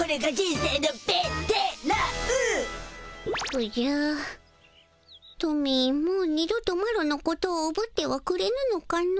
おじゃトミーもう二度とマロのことをおぶってはくれぬのかの？